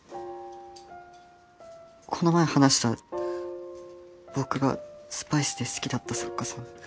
この前話した僕が「スパイス」で好きだった作家さん。